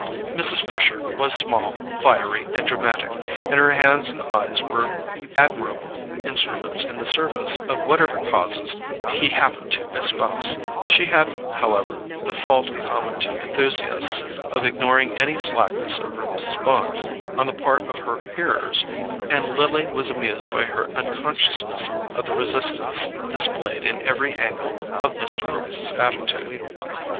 Mrs. Fisher was small, fiery and dramatic; and her hands and eyes were admirable instruments in the service of whatever causes she happened to espouse. She had, however, the fault common to enthusiasts of ignoring any slackness of response on the part of her hearers, and Lily was amused by her unconsciousness of the resistance displayed in every angle of Mr. Gryce's attitude.